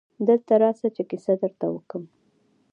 دلته راسه چي کیسه درته وکم.